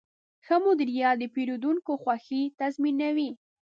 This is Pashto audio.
ښه مدیریت د پیرودونکو خوښي تضمینوي.